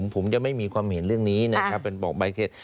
ผมจะไม่มีความเห็นเรื่องนี้นะครับเป็นบอกใบเคส